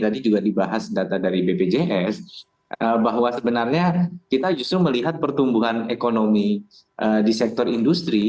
tadi juga dibahas data dari bpjs bahwa sebenarnya kita justru melihat pertumbuhan ekonomi di sektor industri